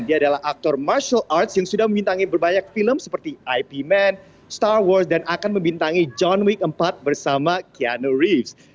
dia adalah aktor martial arts yang sudah membintangi berbanyak film seperti ipman star wars dan akan membintangi john wick empat bersama kiano rics